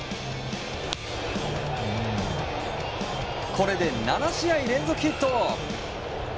これで、７試合連続ヒット。